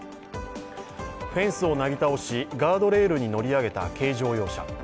フェンスをなぎ倒し、ガードレールに乗り上げた軽乗用車。